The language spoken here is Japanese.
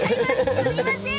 すみません。